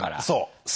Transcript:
そう。